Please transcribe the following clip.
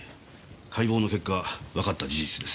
解剖の結果わかった事実です。